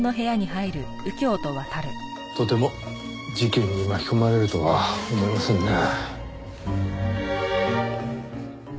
とても事件に巻き込まれるとは思えませんね。